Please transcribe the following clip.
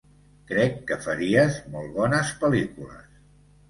Crec que faries molt bones pel·lícules.